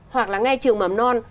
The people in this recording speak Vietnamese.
hoặc là ngay trường mầm non